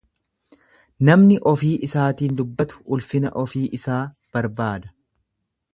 Namni ofii isaatiin dubbatu ulfina ofii isaa barbaada.